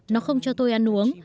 nó không cho tôi ăn uống